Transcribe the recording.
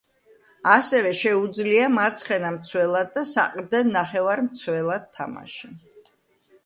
ასევე შეუძლია მარცხენა მცველად და საყრდენ ნახევარმცველად თამაში.